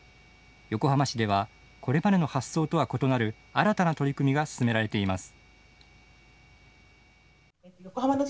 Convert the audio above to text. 横浜市では、これまでの発想とは異なる新たな取り組みが進められています。